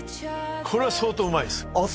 これは相当うまいですああ